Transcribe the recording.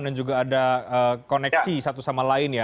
dan juga ada koneksi satu sama lain ya